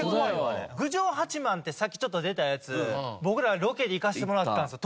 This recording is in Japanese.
郡上八幡ってさっきちょっと出たやつ僕らロケに行かせてもらったんですよ